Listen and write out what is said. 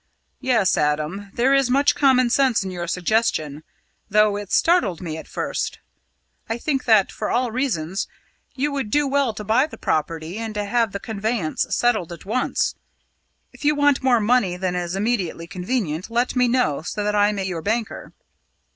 "Yes, Adam, there is much common sense in your suggestion, though it startled me at first. I think that, for all reasons, you would do well to buy the property and to have the conveyance settled at once. If you want more money than is immediately convenient, let me know, so that I may be your banker."